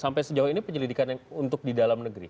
sampai sejauh ini penyelidikan yang untuk di dalam negeri